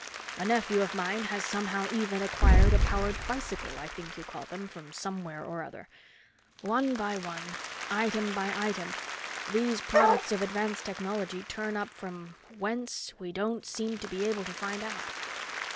A nephew of mine has somehow even acquired a powered bicycle, I think you call them, from somewhere or other. One by one, item by item, these products of advanced technology turn up—from whence, we don't seem to be able to find out."